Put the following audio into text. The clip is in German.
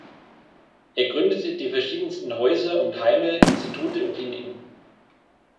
Er gründete die verschiedensten Häuser und Heime, Institute und Kliniken.